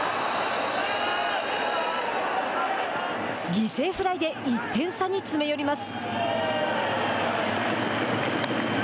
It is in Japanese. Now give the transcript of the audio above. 犠牲フライで１点差に詰め寄ります。